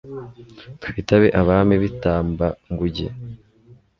twitabe abami b'i tamba-nguge